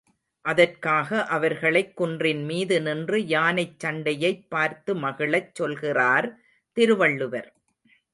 அதற்காக அவர்களைக் குன்றின்மீது நின்று யானைச் சண்டையைப் பார்த்து மகிழச் சொல்கிறார் திருவள்ளுவர்.